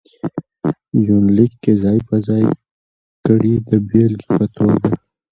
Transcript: يونليک کې ځاى په ځاى کړي د بېلګې په توګه: